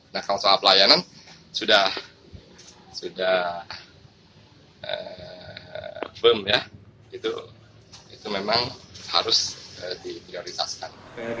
nah kalau soal pelayanan sudah boom ya itu memang harus diprioritaskan